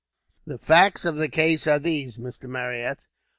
"The facts of the case are these, Mr. Marryat.